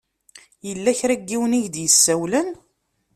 Yella kra n yiwen i ak-d-isawlen.